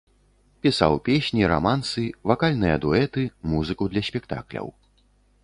Пісаў песні, рамансы, вакальныя дуэты, музыку для спектакляў.